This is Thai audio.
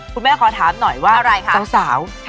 คุณแม่ขอถามหน่อยว่าสาว